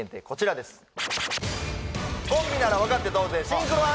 こちらです